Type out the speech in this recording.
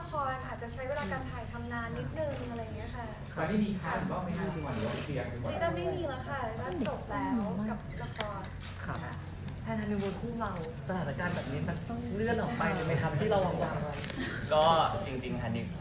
จริงถัดไปท่านด้วยก็ต้องแบบฝ่าไม่ได้รหนไว้ไม่เช็บเลยเลยจ่ะ